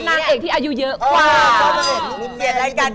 ทางตีบัน